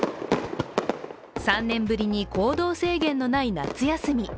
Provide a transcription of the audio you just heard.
３年ぶりに行動制限のない夏休み。